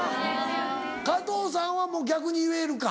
加藤さんはもう逆に言えるか。